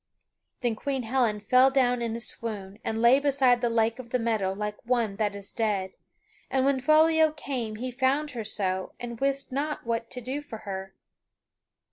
Then Queen Helen fell down in a swoon, and lay beside the lake of the meadow like one that is dead; and when Foliot came he found her so and wist not what to do for her.